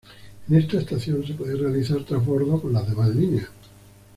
En esta estación se puede realizar transbordo con las demás líneas.